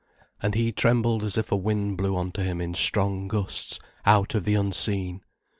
And he trembled as if a wind blew on to him in strong gusts, out of the unseen.